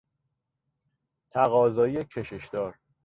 تقاضای کشش دار